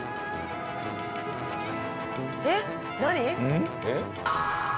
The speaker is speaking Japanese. えっ何？